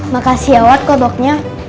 makasih ya wad kok doknya